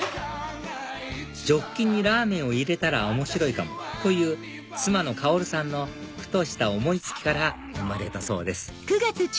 ジョッキにラーメンを入れたら面白いかもという妻の薫さんのふとした思い付きから生まれたそうです